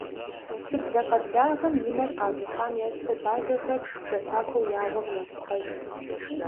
Щыблэ къэблагъэм и мэр къащӏихьам ещхьу, бажэхэр кӏэкуакуэу я гъуэм йопщхьэж.